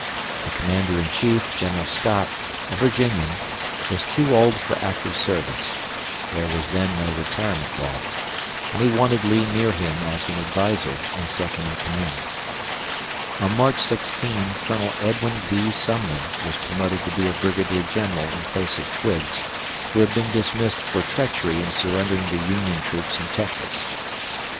The commander in chief, General Scott, a Virginian, was too old for active service there was then no retirement law and he wanted Lee near him as an adviser and second in command. On March 16, Colonel Edwin V. Sumner was promoted to be a brigadier general in place of Twiggs, who had been dismissed for treachery in surrendering the Union troops in Texas.